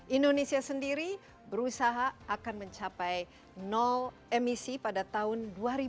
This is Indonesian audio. indonesia sendiri berusaha akan mencapai emisi pada tahun dua ribu dua puluh